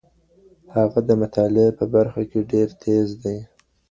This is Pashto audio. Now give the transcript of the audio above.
هغه د مطالعې په برخه کي ډېر تېز دی.